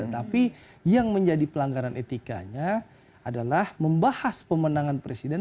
tetapi yang menjadi pelanggaran etikanya adalah membahas pemenangan presiden